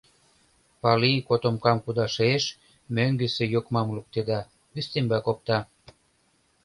Пали котомкам кудашеш, мӧҥгысӧ йокмам луктеда, ӱстембак опта.